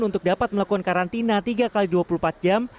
untuk dapat melakukan karantina tiga x dua puluh empat jam